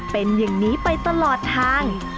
เป็นอย่างนี้ไปตลอดทาง